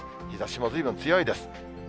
日ざしもずいぶん強いです。